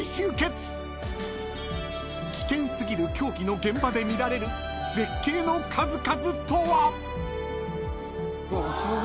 ［危険過ぎる狂気の現場で見られる絶景の数々とは］